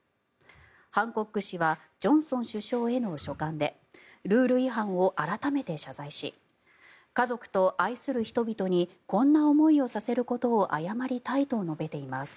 ハンコック氏はジョンソン首相への書簡でルール違反を改めて謝罪し家族と愛する人々にこんな思いをさせることを謝りたいと述べています。